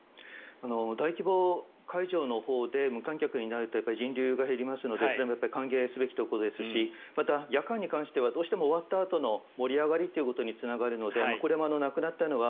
大規模会場のほうで無観客になると人流が減りますので歓迎すべきところですしまた、夜間に関してはどうしても終わったあとの盛り上がりということにつながるのでこれもなくなったのは